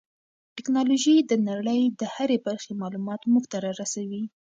ټیکنالوژي د نړۍ د هرې برخې معلومات موږ ته را رسوي.